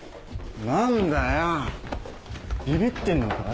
なんだよビビってんのか？